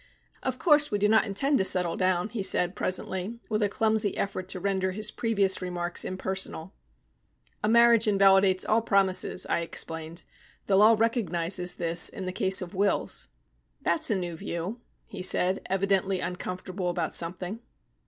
"Of course we do not intend to settle down," he said presently, with a clumsy effort to render his previous remarks impersonal. "A marriage invalidates all promises," I explained. "The law recognises this in the case of wills." "That's a new view," he said, evidently uncomfortable about something.